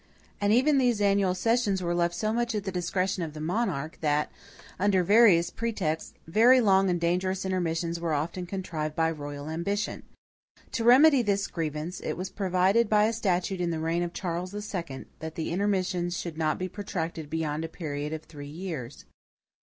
And even these annual sessions were left so much at the discretion of the monarch, that, under various pretexts, very long and dangerous intermissions were often contrived by royal ambition. To remedy this grievance, it was provided by a statute in the reign of Charles II, that the intermissions should not be protracted beyond a period of three years.